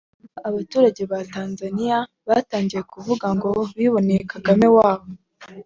nibwo abaturage ba Tanzania batangiye kuvuga ngo biboneye Kagame wabo